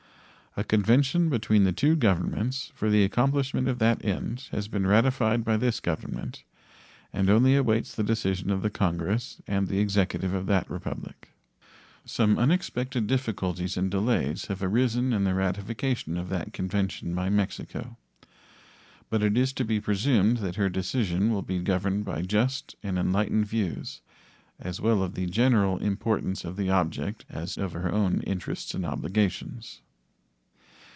A convention between the two Governments for the accomplishment of that end has been ratified by this Government, and only awaits the decision of the Congress and the Executive of that Republic. Some unexpected difficulties and delays have arisen in the ratification of that convention by Mexico, but it is to be presumed that her decision will be governed by just and enlightened views, as well of the general importance of the object as of her own interests and obligations.